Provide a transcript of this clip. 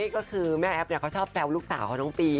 ก็คือแม่แอฟเขาชอบแซวลูกสาวของน้องปี